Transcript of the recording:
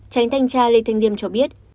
tránh thanh tra lê thanh liêm cho biết